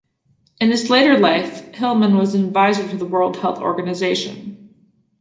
In his later life, Hilleman was an adviser to the World Health Organization.